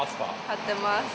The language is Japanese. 買ってます。